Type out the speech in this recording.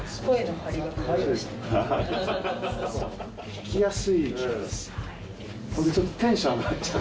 聞きやすい。